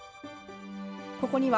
ここには、